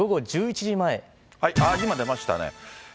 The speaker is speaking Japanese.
今、出ましたね。